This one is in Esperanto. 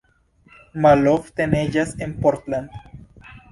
Malofte neĝas en Portland.